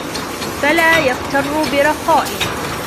فَلَا يَغْتَرُّ بِرَخَاءٍ